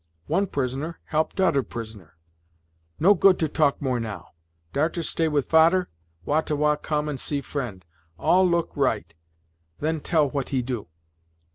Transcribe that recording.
One prisoner help t'udder prisoner. No good to talk more, now. Darter stay with fader Wah ta Wah come and see friend all look right Then tell what he do."